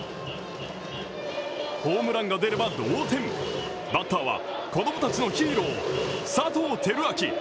ホームランが出れば同点バッターは子供たちのヒーロー佐藤輝明